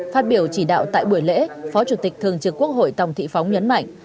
phát biểu chỉ đạo tại buổi lễ phó chủ tịch thường trực quốc hội tòng thị phóng nhấn mạnh